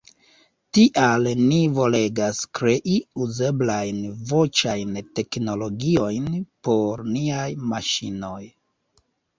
Tial ni volegas krei uzeblajn voĉajn teknologiojn por niaj maŝinoj.